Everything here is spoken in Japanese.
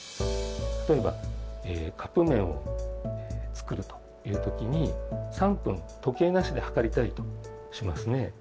例えばカップ麺を作るという時に３分時計なしで計りたいとしますね。